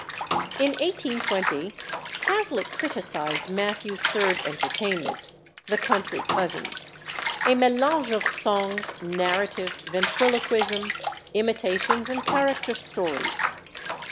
In 1820 Hazlitt criticised Mathews's third entertainment, "The Country Cousins," a mélange of songs, narrative, ventriloquism, imitations, and character stories.